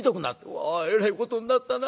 「うわえらいことになったな。